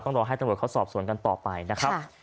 รอให้ตำรวจเขาสอบสวนกันต่อไปนะครับ